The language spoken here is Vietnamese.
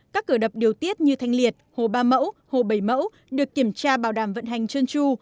các cửa đập điều tiết như thanh liệt hồ ba mẫu hồ bảy mẫu được kiểm tra bảo đảm vận hành trơn tru